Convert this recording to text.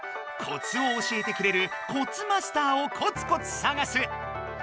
コツを教えてくれるコツマスターをこつコツ探す。